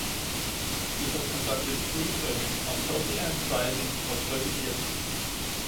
He has conducted research on health anxiety for thirty years.